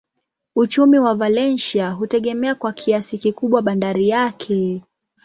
Uchumi wa Valencia hutegemea kwa kiasi kikubwa bandari yake.